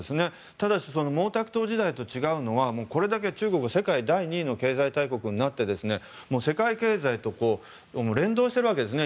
ただし、毛沢東時代と違うのはこれだけ中国が世界２位の経済大国になって世界経済と連動しているわけですね。